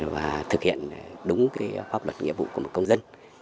và thực hiện đúng pháp luật nghĩa vụ của một công dân